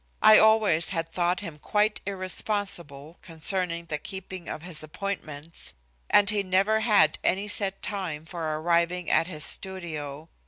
I always had thought him quite irresponsible concerning the keeping of his appointments, and he never had any set time for arriving at his studio.